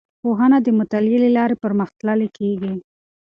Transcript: پوهنه د مطالعې له لارې پرمختللې کیږي.